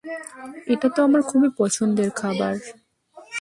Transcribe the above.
এটা তো আমার খুবই পছন্দের খাবার।